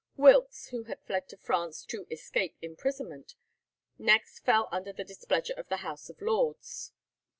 Wilkes, who had fled to France to escape imprisonment, next fell under the displeasure of the House of Lords.